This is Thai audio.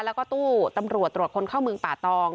แล้วก็ตู้ตำรวจตรวจคนเข้าเมืองป่าตอง